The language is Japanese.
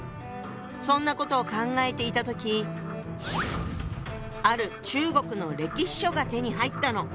そんなことを考えていた時ある中国の歴史書が手に入ったの。